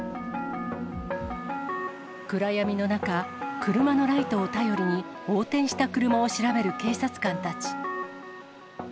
暗闇の中、車のライトを頼りに、横転した車を調べる警察官たち。